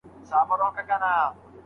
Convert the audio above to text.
منطقي تسلسل د لیکوال ملا ورتړي.